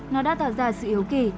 nó đã tạo ra sự hiếu kỳ